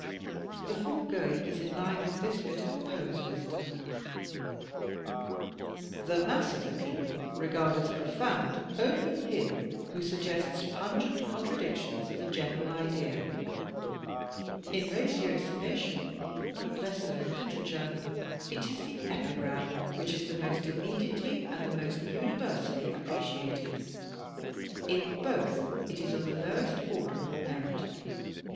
The foregoing is in line with this bit of Poe's wisdom: *' The mass of the people regard as profoimd only him who sug gests pungent contradictions of the general idea. In ratiocination, not less than in literature, it is the epigram which is the most imme OTHER DETECTIVES OF FICTION I47 diately and the most universally appreciated. In both, it is of the lowest order of merit.